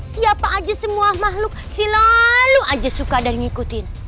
siapa aja semua makhluk selalu aja suka dan ngikutin